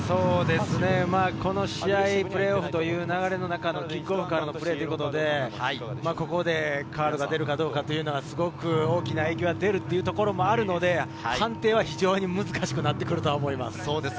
この試合、プレーオフという流れの中の、キックオフからのプレーということで、ここでカードが出るかというのはすごく大きな影響が出るので、判定は非常に難しくなってくると思います。